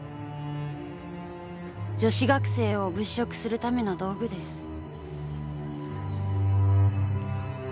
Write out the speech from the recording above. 女子学生を物色するための道具です。